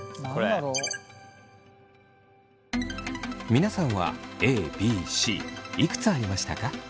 皆さんはＡＢＣいくつありましたか？